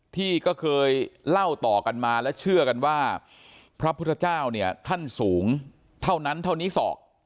ที่ก็เคยเล่าต่อกันมาและเชื่อกันว่าพระพุทธเจ้าเนี่ยท่านสูงเท่านั้นเท่านี้ศอก